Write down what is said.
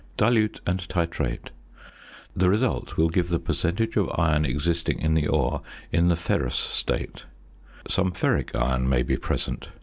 Dilute and titrate. The result will give the percentage of iron existing in the ore in the ferrous state. Some ferric iron may be present.